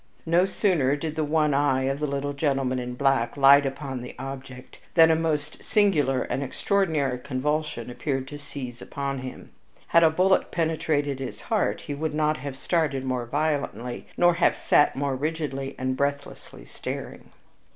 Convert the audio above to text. No sooner did the one eye of the little gentleman in black light upon the object than a most singular and extraordinary convulsion appeared to seize upon him. Had a bullet penetrated his heart he could not have started more violently, nor have sat more rigidly and breathlessly staring.